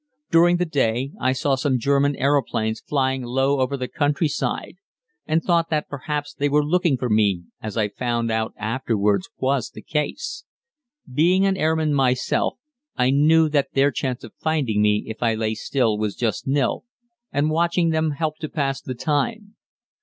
During the day I saw some German aeroplanes flying low over the countryside, and thought that perhaps they were looking for me, as I found out afterwards was the case. Being an airman myself, I knew that their chance of finding me if I lay still was just nil, and watching them helped to pass the time.